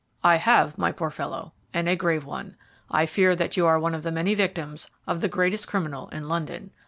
"I have, my poor fellow, and a grave one. I fear that you are one of the many victims of the greatest criminal in London.